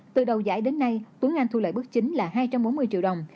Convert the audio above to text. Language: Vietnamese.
từ đầu giải đến nay tướng anh thu lợi bước chính là hai trăm bốn mươi triệu đồng